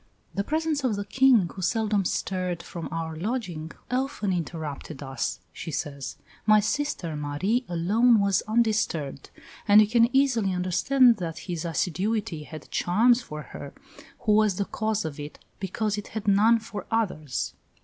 "The presence of the King, who seldom stirred from our lodging, often interrupted us," she says; "my sister, Marie, alone was undisturbed; and you can easily understand that his assiduity had charms for her, who was the cause of it, because it had none for others."